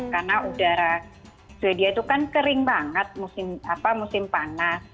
karena udara sweden itu kan kering banget musim panas